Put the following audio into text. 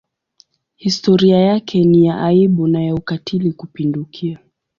Historia yake ni ya aibu na ya ukatili kupindukia.